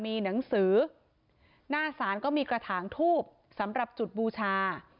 มีหนังสือหน้าศาลก็มีกระถางทูบสำหรับจุดบูชา